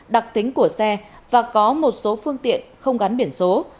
đặc tính của xe và có một số phương tiện không gắn biển số